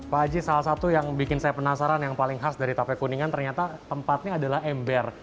pak aji salah satu yang bikin saya penasaran yang paling khas dari tape kuningan ternyata tempatnya adalah ember